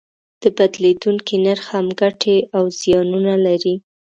د بدلیدونکي نرخ هم ګټې او زیانونه لري.